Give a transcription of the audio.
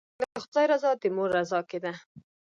د خدای رضا د مور رضا کې ده.